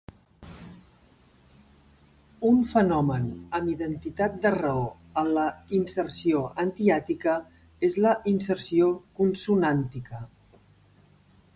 Un fenomen amb identitat de raó a la inserció antihiàtica és la inserció consonàntica.